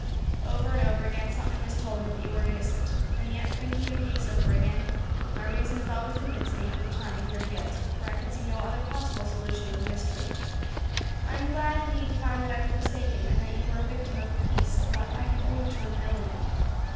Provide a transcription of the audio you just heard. Over and over again something has told me that you were innocent; and yet, thinking the case over again, my reason has always convinced me for the time of your guilt, for I could see no other possible solution of the mystery. I am glad indeed to find that I was mistaken, and that you were a victim of a piece of what I can only term villainy.